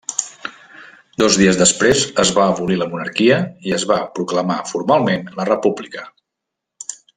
Dos dies després es va abolir la monarquia i es va proclamar formalment la república.